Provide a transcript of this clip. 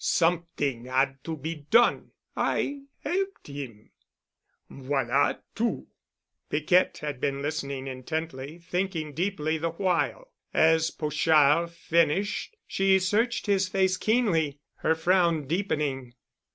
Something had to be done. I helped him. Voilà tout." Piquette had been listening intently, thinking deeply the while. As Pochard finished, she searched his face keenly—her frown deepening.